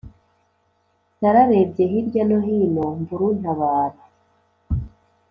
nararebye hirya no hino: mbura untabara,